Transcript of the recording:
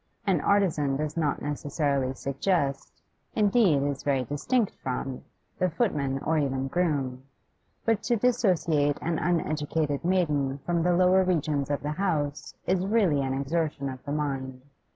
An artisan does not necessarily suggest, indeed is very distinct from, the footman or even groom; but to dissociate an uneducated maiden from the lower regions of the house is really an exertion of the mind.